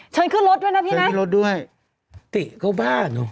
เชิญขึ้นรถด้วยนะพี่นะเชิญขึ้นรถด้วยติติก็บ้าหนู